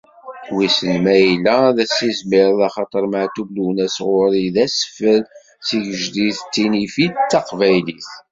Wissen ma yella ad as-izmireɣ axaṭer Maɛṭub Lwennas ɣur-i d asfel, d tigejdit, d tinifi, d taqbaylit.